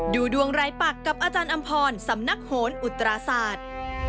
ดูดวงรายปักกับอาจารย์อำพรสำนักโหนอุตราศาสตร์